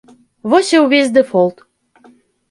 Вось і ўвесь дэфолт.